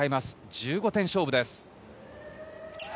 １５点勝負です。